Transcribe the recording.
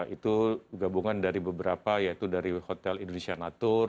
itu gabungan dari beberapa yaitu dari hotel indonesia natur